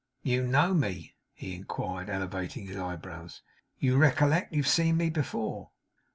'You know me?' he inquired, elevating his eyebrows. 'You recollect? You've seen me before?